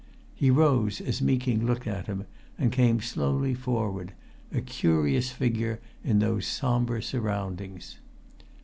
He rose as Meeking looked at him, and came slowly forward a curious figure in those sombre surroundings.